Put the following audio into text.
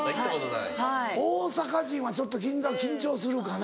大阪人はちょっと銀座緊張するかな。